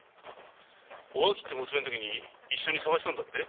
お秋って娘の時に一緒に捜したんだって？